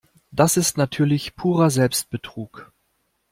Das ist natürlich purer Selbstbetrug.